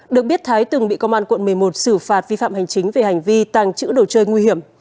được biết thái từng bị công an quận một mươi một xử phạt vi phạm hành chính về hành vi tàng trữ đồ chơi nguy hiểm